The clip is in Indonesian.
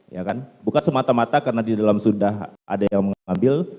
ya kan bukan semata mata karena di dalam sudah ada yang mengambil